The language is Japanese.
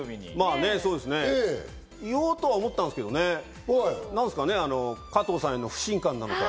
まあそうですね、言おうとは思ったんですけどね、なんですかね、加藤さんへの不信感なのか。